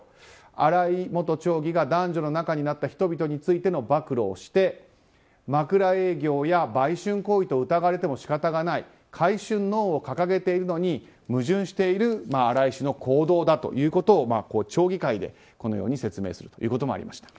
新井元町議が男女の仲になった人々についての暴露をして枕営業や売春行為と疑われても仕方がない。買春ノーを掲げているのに矛盾している新井氏の行動だということを町議会でこのように説明することがありました。